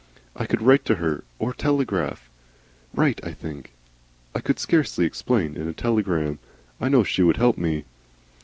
I could write to her or telegraph. Write, I think. I could scarcely explain in a telegram. I know she would help me."